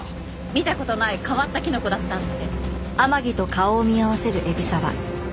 見た事ない変わったキノコだったって。